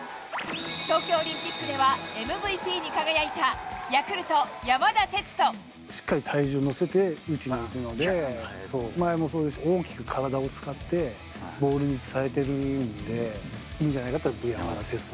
東京オリンピックではＭＶＰに輝いた、ヤクルト、しっかり体重乗せて打ちにいくので、前もそうですし、大きく体を使ってボールに伝えているので、いいんじゃないかと思うのは、山田哲人。